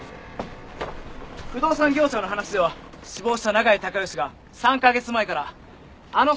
不動産業者の話では死亡した永井孝良が３カ月前からあの倉庫を借りていたと。